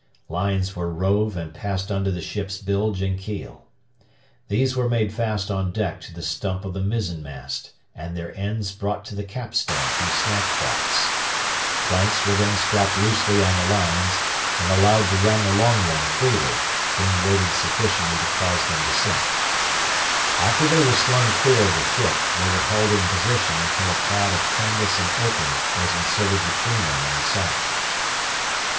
Lines were rove and passed under the ship's bilge and keel. These were made fast on deck to the stump of the mizzen mast, and their ends brought to the capstan through snatch blocks. Planks were then strapped loosely on the lines and allowed to run along them freely, being weighted sufficiently to cause them to sink. After they were slung clear of the ship, they were held in position until a pad of canvas and oakum was inserted between them and the side.